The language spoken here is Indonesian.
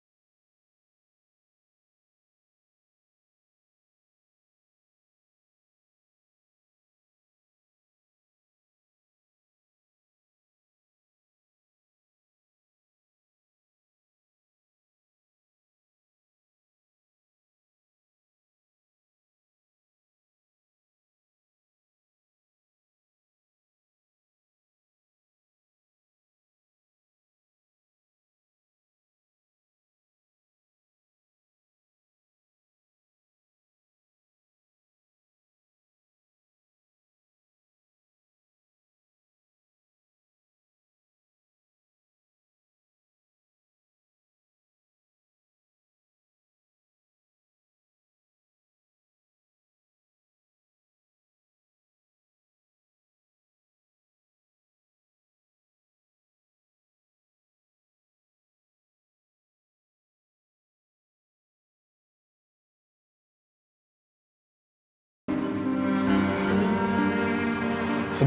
yang kami juga hampir brown et venernya terus